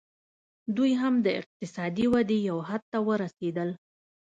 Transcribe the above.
دوی هم د اقتصادي ودې یو حد ته ورسېدل